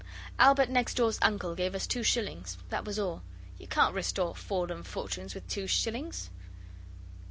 Albert next door's uncle gave us two shillings, that was all. You can't restore fallen fortunes with two shillings!